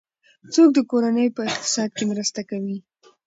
څوک د کورنۍ په اقتصاد کې مرسته کوي؟